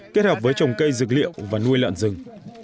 kết hợp với trồng cây dược liệu và nuôi lợn rừng